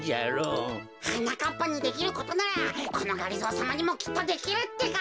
はなかっぱにできることならこのがりぞーさまにもきっとできるってか。